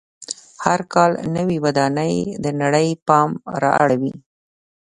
هر کال نوې ودانۍ د نړۍ پام را اړوي.